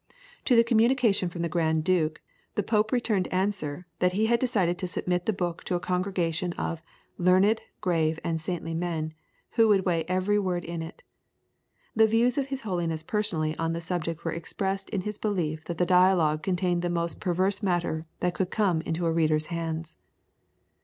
To the communication from the Grand Duke the Pope returned answer, that he had decided to submit the book to a congregation of "learned, grave, and saintly men," who would weigh every word in it. The views of his Holiness personally on the subject were expressed in his belief that the Dialogue contained the most perverse matter that could come into a reader's hands.